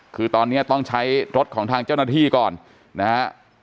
คือตอนนี้ต้องใช้รถของทางเจ้าหน้าที่ก่อนนะฮะ